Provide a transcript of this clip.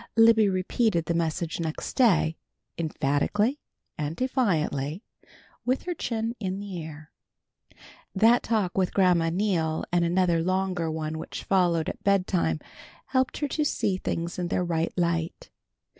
Libby repeated the message next day, emphatically and defiantly, with her chin in the air. That talk with Grandma Neal and another longer one which followed at bedtime, helped her to see things in their right light.